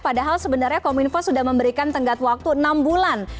padahal sebenarnya kominfo sudah memberikan tenggat waktu enam bulan